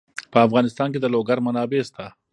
په افغانستان کې د لوگر منابع شته.